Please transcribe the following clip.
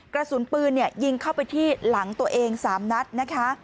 กระสุนปืนยิงเข้าไปที่หลังตัวเอง๓นัดนะคะ